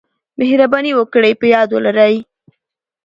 مهرباني وکړئ په یاد ولرئ: